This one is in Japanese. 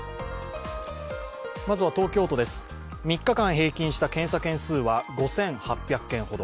まずは東京都です、３日間平均した検査件数は５８００件ほど。